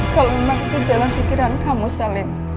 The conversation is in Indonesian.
kalau memang itu jalan pikiran kamu salim